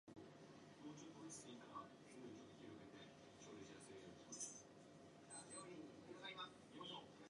McCamus won the Genie Award as Best Actor for his performance.